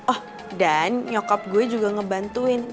oh dan nyokap gue juga ngebantuin